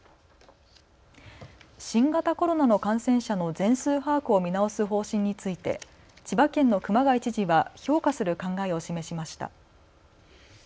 新型コロナの感染者の全数把握を見直す方針について千葉県の熊谷知事は評価する考えを示しました。